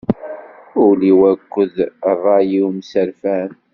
Ul-iw akked ṛṛay-iw mserfan.